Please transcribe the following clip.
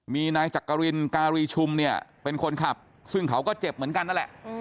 มีนายจักรินการีชุมเนี่ยเป็นคนขับซึ่งเขาก็เจ็บเหมือนกันนั่นแหละ